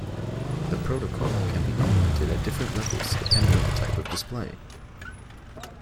The protocol can be implemented at different levels depending on the type of display.